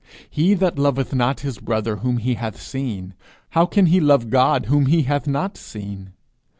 He that loveth not his brother whom he hath seen, how can he love God whom he hath not seen?